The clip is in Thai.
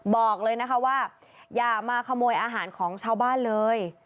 บอกเลยนะคะว่าอย่ามาขโมยอาหารของชาวบ้านเลย